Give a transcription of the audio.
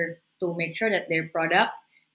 yang dasar untuk memastikan produk mereka